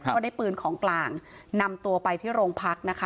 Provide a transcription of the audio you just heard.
ก็ได้ปืนของกลางนำตัวไปที่โรงพักนะคะ